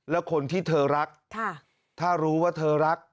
แล้วคนที่เธอรักถ้ารู้ว่าเธอรัก